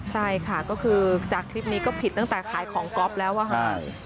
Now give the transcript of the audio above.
ใช่ค่ะก็คือจากคลิปนี้ก็ผิดตั้งแต่ขายของก๊อฟแล้วอะค่ะ